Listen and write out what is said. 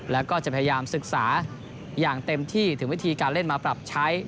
แล้วก็จะพยายามศึกษาอย่างเต็มที่ถึงวิธีการเล่นมาปรับใช้